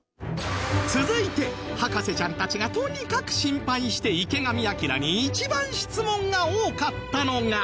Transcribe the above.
続いて博士ちゃんたちがとにかく心配して池上彰に一番質問が多かったのが